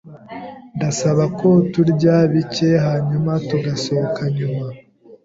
Ndasaba ko turya bike, hanyuma tugasohoka nyuma.